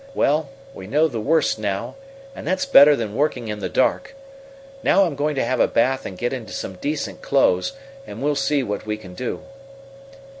Well, we know the worst now, and that's better than working in the dark. Now I'm going to have a bath and get into some decent clothes, and we'll see what we can do."